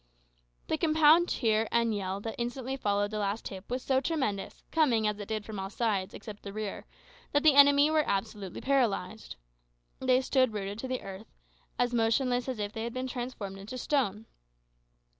The compound cheer and yell that instantly followed the last hip was so tremendous, coming, as it did, from all sides except the rear, that the enemy were absolutely paralysed. They stood rooted to the earth, as motionless as if they had been transformed into stone.